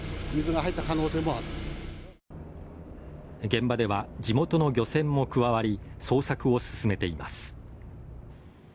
現場では地元の漁船も加わり捜索を進めています。